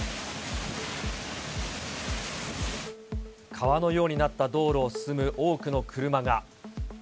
川のようになった道路を進む多くの車が。